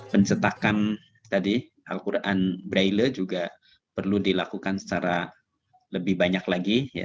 pencetakan tadi al quran braille juga perlu dilakukan secara lebih banyak lagi